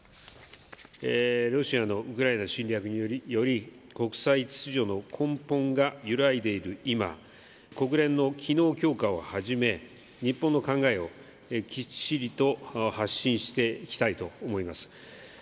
ロシアのウクライナ侵略により、国際秩序の根本が揺らいでいる今、国連の機能強化をはじめ、日本の考えをきっちりと発信していきたいと思います。